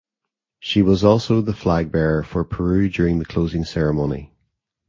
She was also the flag bearer for Peru during the closing ceremony.